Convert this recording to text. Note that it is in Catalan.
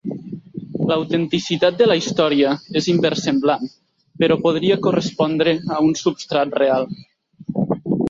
L'autenticitat de la història és inversemblant, però podria correspondre a un substrat real.